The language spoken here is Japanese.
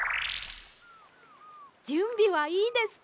じゅんびはいいですか？